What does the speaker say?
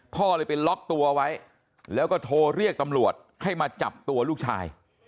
พ่อเลยไปล็อกตัวไว้แล้วก็โทรเรียกตำรวจให้มาจับตัวลูกชาย